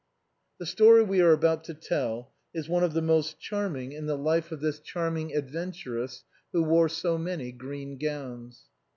The story we are about to tell is one of the most charm ing in the life of this charming adventuress who wore so many green gowns.